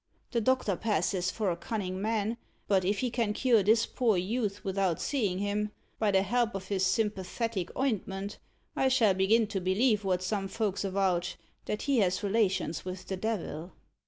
The doctor passes for a cunning man, but if he can cure this poor youth without seeing him, by the help of his sympathetic ointment, I shall begin to believe, what some folks avouch, that he has relations with the devil."